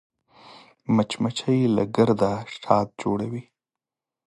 مچمچۍ له ګرده شات جوړوي